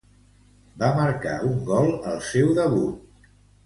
Va marcar un gol al seu debut.